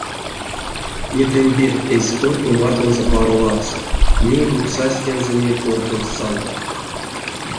Недлянь перть эзь кортне мартонзо паро ладсо, ней друк сась тензэ мель кортнемс салава.